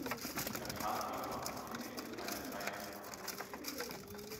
Das Fahrzeug war anfänglich als reiner Dreitürer konzipiert.